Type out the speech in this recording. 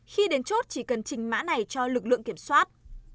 khi đến chốt chỉ cần trình mã này cho lực lượng kiểm soát